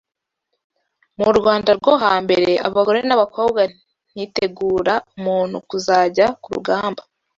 Mu Rwanda rwo hambere abagore n’abakobwa ntitegura umuntu kuzajya ku rugamba